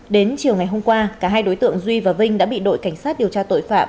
đến chiều ngày hôm qua cả hai đối tượng duy và vinh đã bị đội cảnh sát điều tra tội phạm